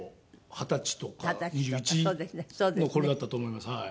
二十歳とか２１の頃だったと思います。